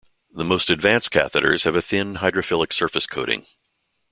The most advanced catheters have a thin hydrophilic surface coating.